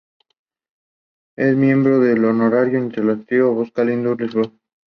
They are distributed across most of the Northern Hemisphere and into the Indomalayan realm.